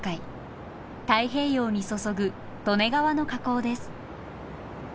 太平洋に注ぐ利根川の河口です。